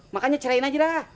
makanya cerain aja dah